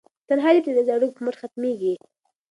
تنهایي د ټولنیزو اړیکو په مټ ختمیږي.